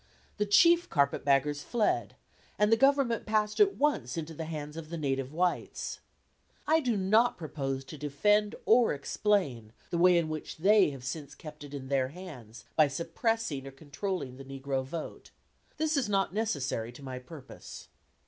The chief carpet baggers fled, and the government passed at once into the hands of the native whites. I do not propose to defend or explain the way in which they have since then kept it in their hands, by suppressing or controlling the negro vote. This is not necessary to my purpose.